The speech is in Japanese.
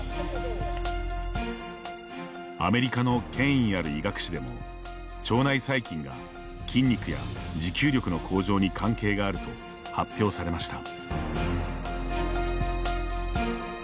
アメリカの権威ある医学誌でも腸内細菌が筋肉や持久力の向上に関係があると発表されました。